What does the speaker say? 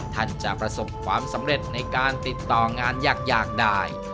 ท่านจะประสบความสำเร็จในการติดต่องานยากได้